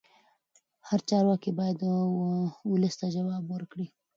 هر چارواکی باید ولس ته ځواب ورکړي